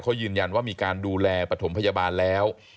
เขายืนยันว่ามีการดูแลปฐมพยาบาลแล้ว